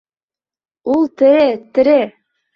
Ул тере, тере!